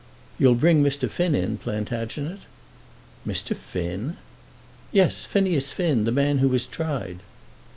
"You'll bring Mr. Finn in, Plantagenet?" "Mr. Finn!" "Yes; Phineas Finn, the man who was tried."